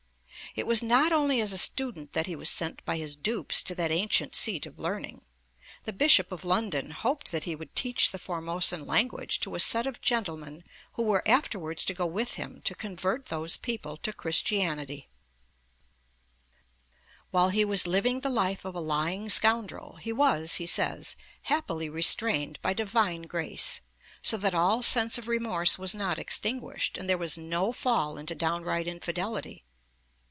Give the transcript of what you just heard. It was not only as a student that he was sent by his dupes to that ancient seat of learning; the Bishop of London hoped that he would 'teach the Formosan language to a set of gentlemen who were afterwards to go with him to convert those people to Christianity' (p. 161). While he was living the life of a lying scoundrel, he was, he says (p. 192), 'happily restrained by Divine Grace,' so that 'all sense of remorse was not extinguished,' and there was no fall into 'downright infidelity.'